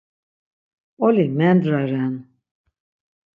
Mp̌oli mendra ren.